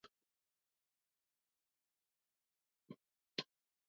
ცხოვრობენ დაღესტანში, მდინარე ანდის ყოისუს ხეობაში.